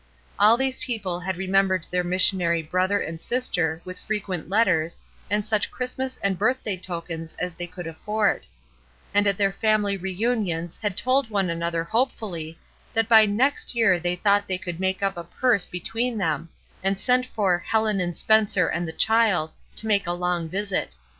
All these people had re membered their missionary brother and sister with frequent letters and such Christmas and birthday tokens as they could afford; and at their family reunions had told one another hopefully that by "next year" they thought they could make up a purse between them, and send for " Helen and Spencer and the child " to make a long visit.